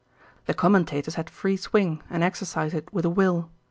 The commentators had free swing and exercised it with a will.